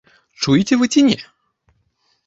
Чуеце вы ці не?